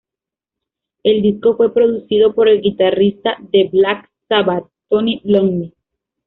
El disco fue producido por el guitarrista de Black Sabbath, Tony Iommi.